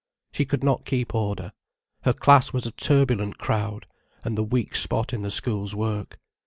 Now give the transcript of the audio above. She could not keep order. Her class was a turbulent crowd, and the weak spot in the school's work.